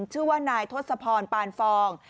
ชื่อว่านายทศพรปานฟอง